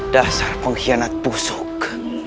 dasar pengkhianat busuk